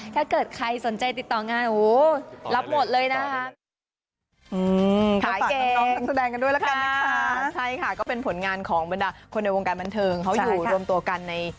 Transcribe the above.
ถ้าเกิดใครสนใจติดต่องานโอ้โหรับหมดเลยนะ